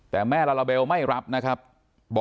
แต่แม่ลาลาเบลไม่รับนะครับ